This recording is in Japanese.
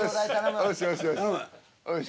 よしよしよし。